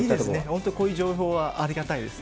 本当にこういう情報はありがたいです。